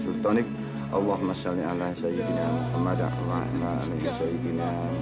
sultanik allahumma salli ala sayyidina muhammad alhamdulillah shiwa bin alamin